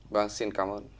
vâng xin cảm ơn